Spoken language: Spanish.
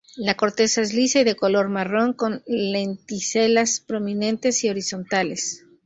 La corteza es lisa y de color marrón, con lenticelas prominentes y horizontales.